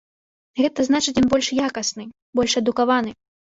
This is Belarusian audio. Гэта значыць ён больш якасны, больш адукаваны.